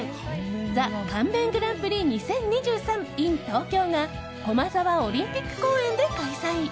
Ｔｈｅ乾麺グランプリ２０２３ｉｎＴｏｋｙｏが駒沢オリンピック公園で開催。